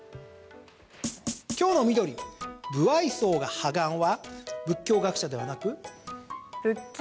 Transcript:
今日の緑、無愛想が破顔は仏教学者ではなく？